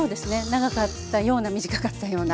長かったような短かったような。